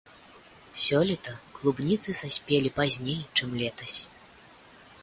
Сёлета клубніцы саспелі пазней, чым летась.